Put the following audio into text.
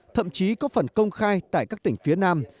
thậm chí có phần công khai tại các tỉnh phía nam